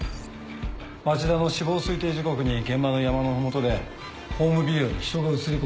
町田の死亡推定時刻に現場の山の麓でホームビデオに人が写りこんでた。